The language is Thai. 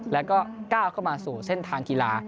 แล้วก็ก้าวเข้ามาสู่เส้นทางกีฬา